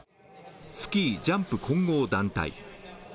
スキージャンプ混合団体。